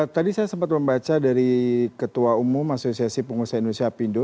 tadi saya sempat membaca dari ketua umum asosiasi pengusaha indonesia apindo